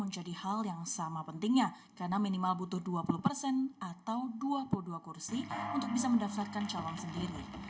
menjadi hal yang sama pentingnya karena minimal butuh dua puluh persen atau dua puluh dua kursi untuk bisa mendaftarkan calon sendiri